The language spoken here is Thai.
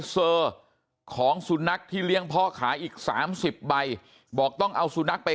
เซอร์ของสุนัขที่เลี้ยงพ่อขายอีก๓๐ใบบอกต้องเอาสุนัขไป